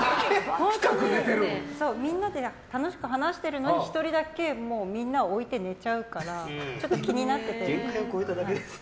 みんなで楽しく話してるのに１人だけみんなを置いて寝ちゃうからちょっと気になってて。